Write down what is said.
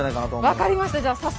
分かりましたじゃあ早速。